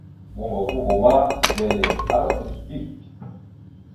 Moŋgovo ava ma lele, arəba dik.